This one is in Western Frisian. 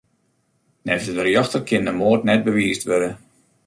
Neffens de rjochter kin de moard net bewiisd wurde.